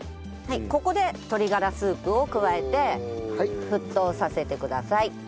ここで鶏がらスープを加えて沸騰させてください。